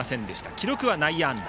記録は内野安打。